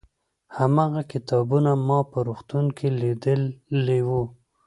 هماغه کتابونه ما په روغتون کې لیدلي وو.